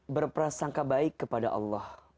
berprasangka baik kepada allah